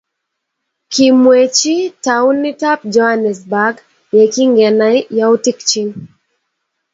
kimwechi taunitab Joanesburg yekingenai youtikchich